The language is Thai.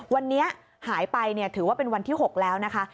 วันนี้หายไปถือว่าเป็นวันที่๖แล้วนะคะ